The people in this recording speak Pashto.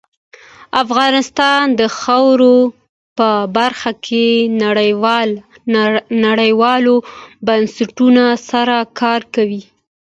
افغانستان د خاوره په برخه کې نړیوالو بنسټونو سره کار کوي.